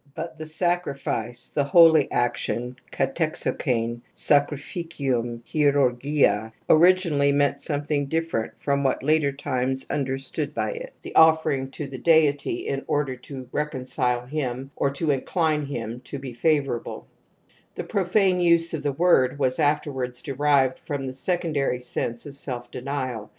<. v ^* s c^ .. v '^* But the sacrifice — ^the holy action Kari^oytj (sacrificium *€po«^/>7*«)— originally meant some thing different from what later times imder stood by it : the offering to the deity in order to jj reconcile him or to incline him to be favourableil The profane use of the word was afterwards derived from the secondary sense of self denial.